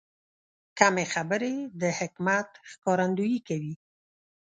کمې خبرې، د حکمت ښکارندویي کوي.